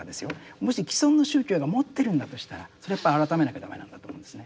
もし既存の宗教が持ってるんだとしたらそれはやっぱ改めなきゃ駄目なんだと思うんですね。